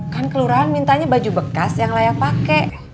kan kelurahan mintanya baju bekas yang layak pakai